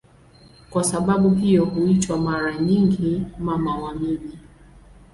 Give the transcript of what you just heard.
Kwa sababu hiyo huitwa mara nyingi "Mama wa miji".